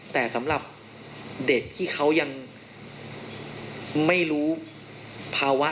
แต่สำหรับเด็กที่เขายังไม่รู้ภาวะ